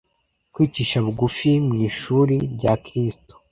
Kwicisha bugufi mu ishuri rya Kristo